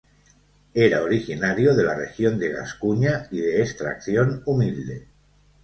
Era originario de la región de Gascuña y de extracción humilde.